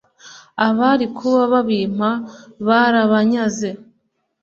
Abari kuba babimpa Barabanyaze